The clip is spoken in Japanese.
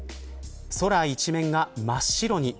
空一面が真っ白に。